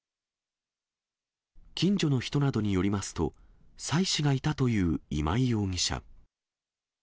近所の人などによりますと、妻子がいたという今井容疑者。